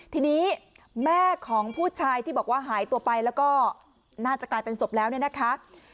ทีนี้แม่ของผู้ชายที่บอกว่าหายตัวไปแล้วก็น่าจะกลายเป็นศพแล้วเนี่ยนะคะ